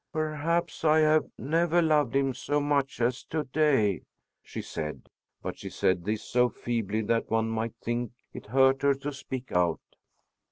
"Perhaps I have never loved him so much as to day," she said, but she said this so feebly that one might think it hurt her to speak out.